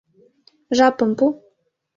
Жапым пу.